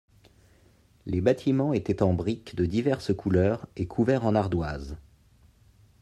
Les bâtiments étaient en briques de diverses couleurs et couverts en ardoise.